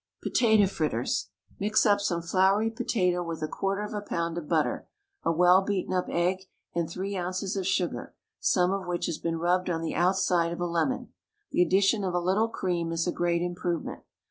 POTATO FRITTERS. Mix up some floury potato with a quarter of a pound of butter, a well beaten up egg, and three ounces of sugar, some of which has been rubbed on the outside of a lemon. The addition of a little cream is a great improvement.